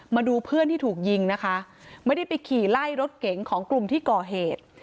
มาดูเพื่อนที่ถูกยิงนะคะไม่ได้ไปขี่ไล่รถเก๋งของกลุ่มที่ก่อเหตุ